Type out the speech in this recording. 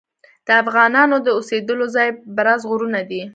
د افغانانو د اوسیدلو ځای برز غرونه دي.